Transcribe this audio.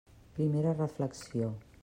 Primera reflexió.